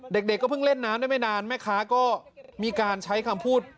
เด็กก็เพิ่งเล่นน้ำได้ไม่นานแม่ค้าก็มีการใช้คำพูด